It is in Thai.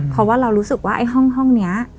เพราะว่าเรารู้สึกว่าไอ้ห้องนี้